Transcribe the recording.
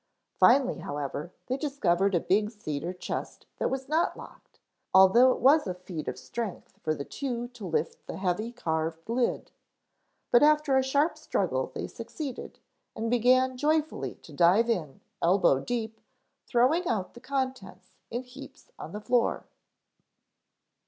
Finally, however, they discovered a big cedar chest that was not locked, although it was a feat of strength for the two to lift the heavy carved lid. But after a sharp struggle they succeeded, and began joyfully to dive in, elbow deep, throwing out the contents in heaps on the floor.